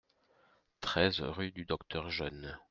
treize rue du Docteur Jeune